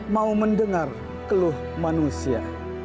mau mendengar keluh manusia